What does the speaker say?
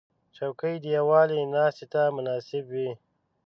چوکۍ د یووالي ناستې ته مناسب وي.